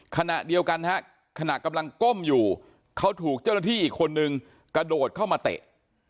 ขณะเดียวกันฮะขณะกำลังก้มอยู่เขาถูกเจ้าหน้าที่อีกคนนึงกระโดดเข้ามาเตะ